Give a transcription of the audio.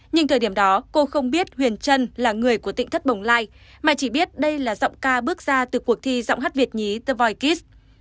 nhưng thời điểm đó cô không biết huyền trân là người của tỉnh thất bồng lai mà chỉ biết đây là giọng ca bước ra từ cuộc thi giọng hát việt nhí the voikis